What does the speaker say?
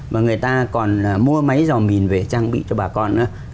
và người ta còn mua máy dò mìn về trang bị cho bà con á